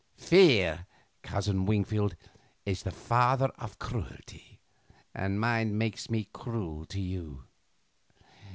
Fear, Cousin Wingfield, is the father of cruelty, and mine makes me cruel to you.